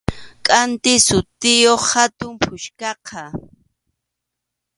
Kʼanti sutiyuq hatun puchkaqa.